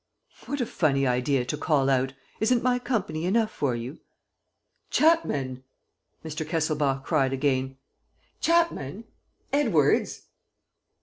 "What a funny idea, to call out! Isn't my company enough for you?" "Chapman!" Mr. Kesselbach cried again. "Chapman! Edwards!"